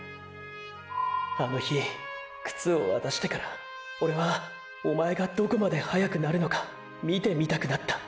あの日クツを渡してからオレはおまえがどこまで速くなるのか見てみたくなった。